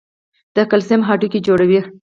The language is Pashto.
د کلسیم هډوکي جوړوي.